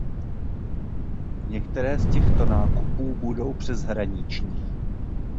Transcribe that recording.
Některé z těchto nákupů budou přeshraniční.